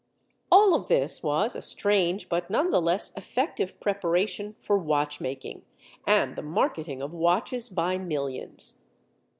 All of this was a strange but none the less effective preparation for watch making and the marketing of watches by millions.